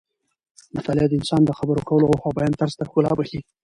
مطالعه د انسان د خبرو کولو او بیان طرز ته ښکلا بښي.